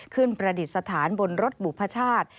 ประดิษฐานบนรถบุพชาติ